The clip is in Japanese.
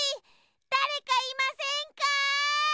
だれかいませんか！